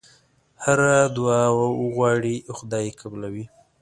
هره دعا وغواړې خدای یې قبلوي.